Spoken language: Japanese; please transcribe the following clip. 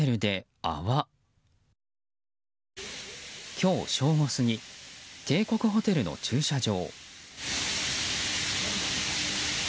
今日正午過ぎ帝国ホテルの駐車場。